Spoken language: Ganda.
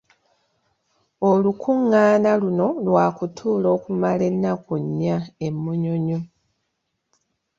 Olukungaana luno lwakutuula okumala ennaku nnya e Munyonyo.